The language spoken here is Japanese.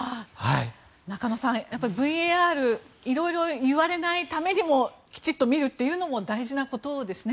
中丸さん、ＶＡＲ色々言われないためにもきちっと見るというのも大事なことですね。